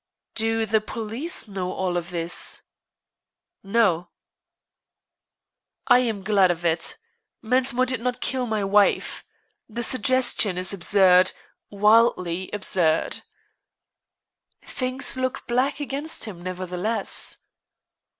"Do the police know all this?" "No." "I am glad of it. Mensmore did not kill my wife. The suggestion is absurd wildly absurd." "Things look black against him, nevertheless."